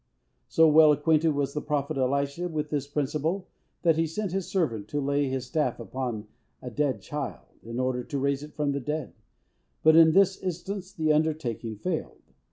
So well acquainted was the Prophet Elisha with this principle, that he sent his servant to lay his staff upon a dead child, in order to raise it from the dead; but, in this instance, the undertaking failed.